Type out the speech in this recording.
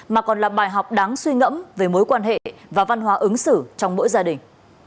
mà còn là bài học đáng suy ngẫm về mối quan hệ và văn hóa ứng xử trong mỗi gia đình